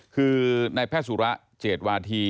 คือในแพทย์สูระเจสวาที